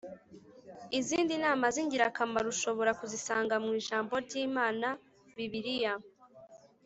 izindi nama z ingirakamaro ushobora kuzisanga mu Ijambo ry Imana Bibiliya